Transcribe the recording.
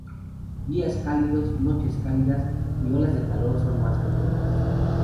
Días cálidos, noches cálidas, y olas de calor son más frecuentes.